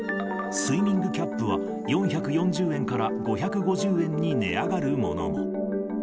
スイミングキャップは４４０円から５５０円に値上がるものも。